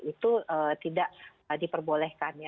itu tidak diperbolehkan